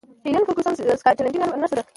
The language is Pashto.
هیلن فرګوسن سکاټلنډۍ نرسه ده.